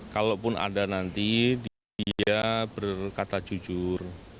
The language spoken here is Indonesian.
kalau pun ada nanti dia berkata jujur